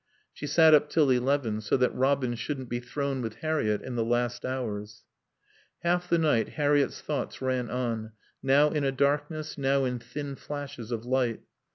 She sat up till eleven, so that Robin shouldn't be thrown with Harriett in the last hours. Half the night Harriett's thoughts ran on, now in a darkness, now in thin flashes of light.